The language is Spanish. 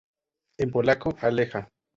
En polaco: Aleja.